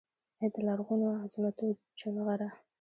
ای دلرغونوعظمتوچونغره!